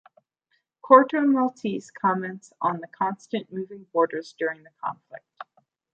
Corto Maltese comments on the constant moving borders during the conflict.